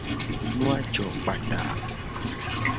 Nu a jo kpata.